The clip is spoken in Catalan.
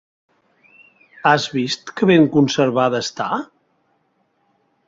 Has vist que ben conservada està?